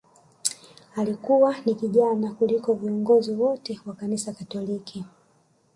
Alikuwa ni kijana kuliko viongozi wote wa kanisa Katoliki